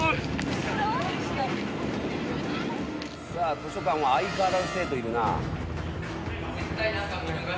図書館は相変わらず生徒いるな。